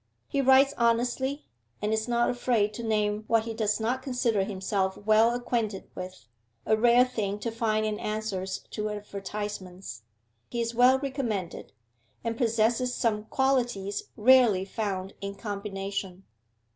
He writes honestly, is not afraid to name what he does not consider himself well acquainted with a rare thing to find in answers to advertisements; he is well recommended, and possesses some qualities rarely found in combination.